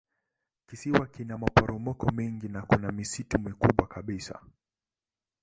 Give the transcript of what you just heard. Kisiwa kina maporomoko mengi na kuna misitu mikubwa kabisa.